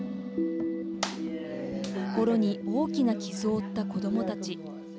心に大きな傷を負った子どもたち。